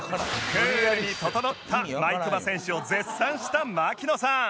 クールにととのった毎熊選手を絶賛した槙野さん